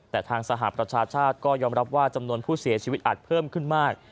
แต่ทางสหประชาชาติก็ยอมรับว่าจำนวนผู้เสียชีวิตอาจเพิ่มขึ้นมาก